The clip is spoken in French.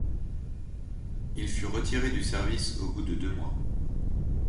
Il fut retiré du service au bout de deux mois.